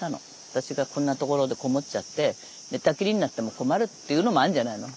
私がこんなところでこもっちゃって寝たきりになっても困るっていうのもあるんじゃないの。